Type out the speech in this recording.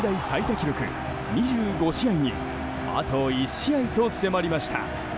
記録２５試合にあと１試合と迫りました。